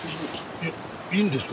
いやいいんですか？